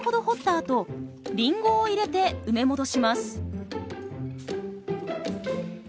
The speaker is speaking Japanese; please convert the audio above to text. あとリンゴを入れて埋め戻します。